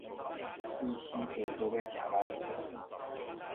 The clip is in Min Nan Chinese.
畏死爸閣欲食饅頭